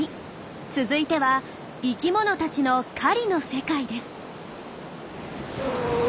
続いては生きものたちの狩りの世界です。